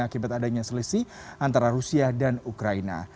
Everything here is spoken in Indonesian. akibat adanya selisih antara rusia dan ukraina